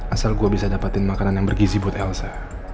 asal gue bisa dapetin makanan yang bergizi buat elsa